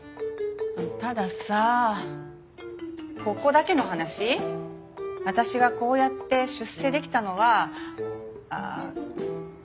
たださここだけの話私がこうやって出世できたのはああ。